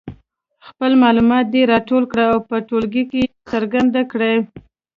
خپل معلومات دې راټول کړي او په ټولګي کې یې څرګند کړي.